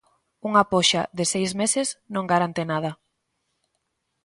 Unha poxa de seis meses non garante nada.